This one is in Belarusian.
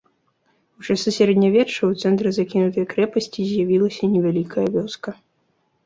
У часы сярэднявечча ў цэнтры закінутай крэпасці з'явілася невялікая вёска.